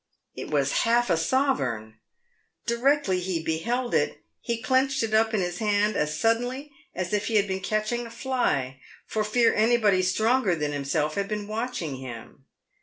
It was half a sovereign ! Directly he beheld it he clenched it up in his hand as suddenly as if he had been catching a fly, for fear anybody stronger than himself had been watching him.